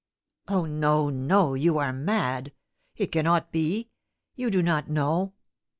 "Oh, no, no; you are mad! It cannot be! You do not know!